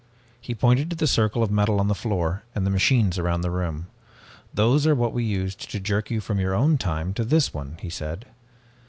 "He pointed to the circle of metal on the floor and the machines around the room. 'Those are what we used to jerk you from your own time to this one,' he said.